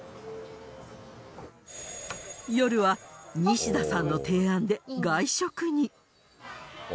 夜はニシダさんの提案で外食に。